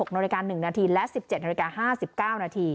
๑๑นน๒๓น๑๖น๑นและ๑๗น๕๙น